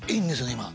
今。